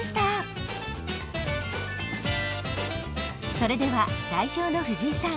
それでは代表の藤井さん